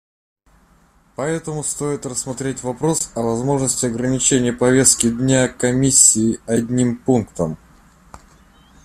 Поэтому стоит рассмотреть вопрос о возможности ограничения повестки дня Комиссии одним пунктом.